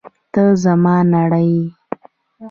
ته زما نړۍ یې!